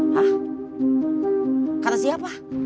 hah kata siapa